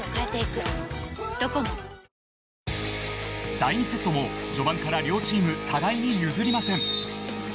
第２セットも序盤から両チーム互いに譲りません。